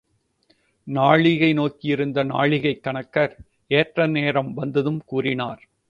நாழிகை நோக்கி இருந்த நாழிகைக் கணக்கர், ஏற்ற நேரம் வந்ததும் கூறினர்.